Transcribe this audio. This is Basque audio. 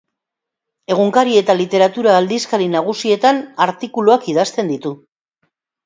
Egunkari eta literatura-aldizkari nagusietan artikuluak idazten ditu.